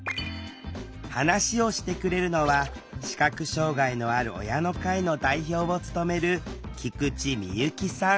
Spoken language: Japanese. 話をしてくれるのは視覚障害のある親の会の代表を務める菊地美由紀さん